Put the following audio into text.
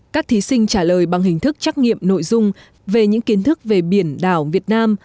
các thí sinh trả lời bằng hình thức trắc nghiệm nội dung về những kiến thức về biển đảo việt nam